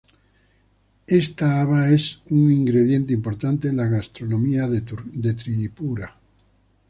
Esta haba es un ingrediente importante en la gastronomía de Tripura.